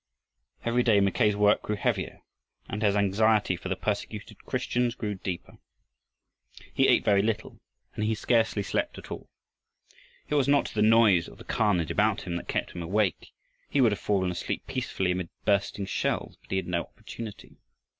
Every day Mackay's work grew heavier and his anxiety for the persecuted Christians grew deeper. He ate very little, and he scarcely slept at all. It was not the noise of the carnage about him that kept him awake. He would have fallen asleep peacefully amidst bursting shells, but he had no opportunity.